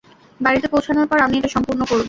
বাড়িতে পৌঁছানোর পর আমি এটা সম্পুর্ণ করবো।